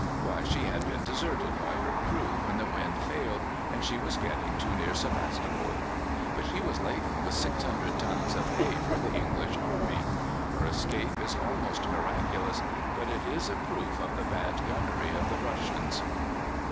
Why, she had been deserted by her crew when the wind failed and she was getting too near Sebastopol. But she was laden with 600 tons of hay for the English army. Her escape is almost miraculous, but it is a proof of the bad gunnery of the Russians.